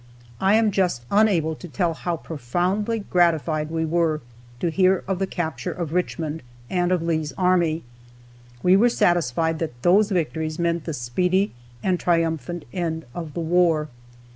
I am just unable to tell how profoundly gratified we were to hear of the capture of Richmond, and of Lee's army. We were satisfied that those victories meant the speedy and triumphant end of the war.